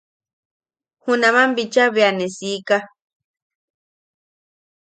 Junaman bicha bea ne siika.